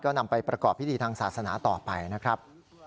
นำไปประกอบพิธีทางศาสนาต่อไปนะครับ